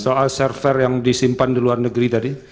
soal server yang disimpan di luar negeri tadi